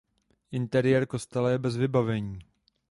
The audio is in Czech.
Interiér kostela je bez vybavení.